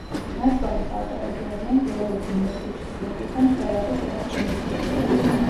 ნაშრომის ავტორები არიან გეოლოგი მეტიჯს სმიტი და მკვლევარი კლაუს მეზგერი.